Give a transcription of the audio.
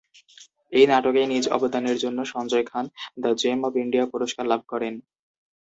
এই নাটকে নিজ অবদানের জন্য, Sanjay Khan the gem of India পুরস্কার লাভ করেন।